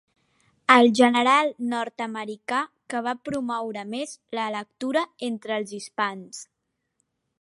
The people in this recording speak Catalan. El general nord-americà que va promoure més la lectura entre els hispans.